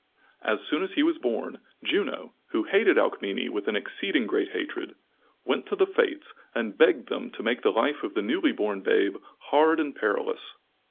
As soon as he was born, Juno, who hated Alcmene with an exceeding great hatred, went to the Fates and begged them to make the life of the newly born babe hard and perilous.